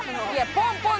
ポンポン！